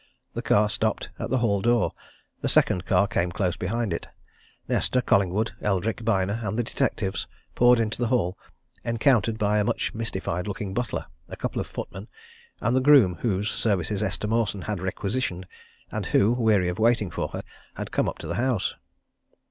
The car stopped at the hall door: the second car came close behind it; Nesta, Collingwood, Eldrick, Byner, and the detectives poured into the hall encountered a much mystified looking butler, a couple of footmen, and the groom whose services Esther Mawson had requisitioned, and who, weary of waiting for her, had come up to the house.